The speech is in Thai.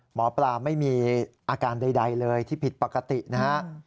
หมอปลาไม่มีอาการใดเลยที่ผิดปกตินะฮะ